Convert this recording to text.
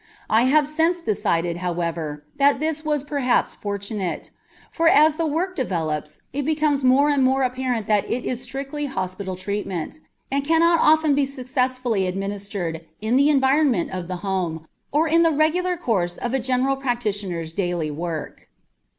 I have since decided, however, that this was perhaps fortunate; for as the work develops, it becomes more and more apparent that it is a strictly hospital treatment, and cannot often be successfully administered in the environment of the home or in the regular course of a general practitioner's daily work.